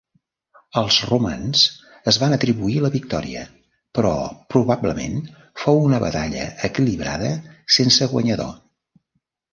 Els romans es van atribuir la victòria però probablement fou una batalla equilibrada sense guanyador.